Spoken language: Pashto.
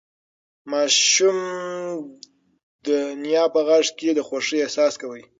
ماشوم د نیا په غېږ کې د خوښۍ احساس کاوه.